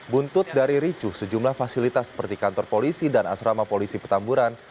buntut dari ricuh sejumlah fasilitas seperti kantor polisi dan asrama polisi petamburan